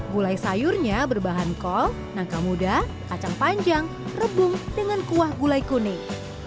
gulai sayurnya berbahan kol nangka muda kacang panjang rebung dengan kuah gulai kuning